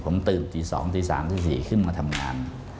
ผมตื่นตี๒ตี๓ตี๔ขึ้นมาทำงาน